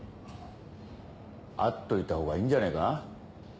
会っといたほうがいいんじゃねえか？